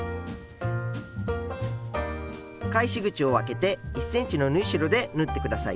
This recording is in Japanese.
返し口をあけて１ｃｍの縫い代で縫ってください。